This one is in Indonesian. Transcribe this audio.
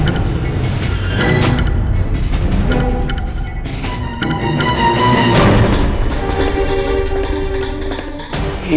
kalau tidak sistemus